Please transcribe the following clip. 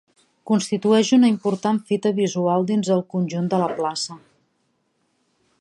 Constitueix una important fita visual dins el conjunt de la plaça.